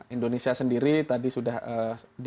indonesia sendiri tadi sudah di